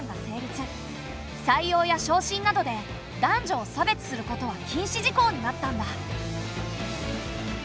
採用や昇進などで男女を差別することは禁止事項になったんだ。